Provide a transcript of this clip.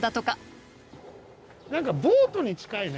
何かボートに近いね。